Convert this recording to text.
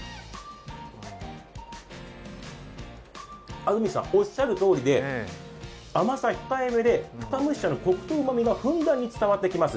安住さん、おっしゃるとおりで甘さ控えめで深蒸し茶のコクとうまみが伝わってきます。